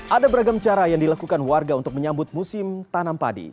ada beragam cara yang dilakukan warga untuk menyambut musim tanam padi